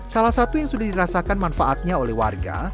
salah satu yang sudah dirasakan manfaatnya oleh warga